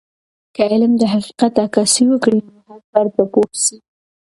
که علم د حقیقت عکاسي وکړي، نو هر فرد به پوه سي.